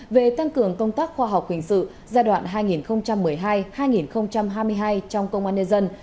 về tăng cường công tác khoa học hình sự giai đoạn hai nghìn một mươi hai hai nghìn hai mươi hai trong công an nhân dân